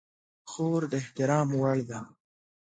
خور د احترام وړ ده.